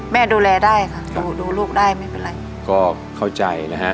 ดูแลได้ค่ะดูลูกได้ไม่เป็นไรก็เข้าใจนะฮะ